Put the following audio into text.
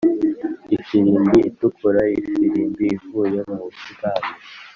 ifirimbi itukura ifirimbi ivuye mu busitani;